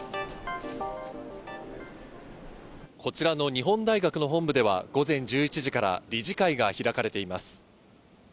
こちらの日本大学の本部では、午前時から理事会が開かれています。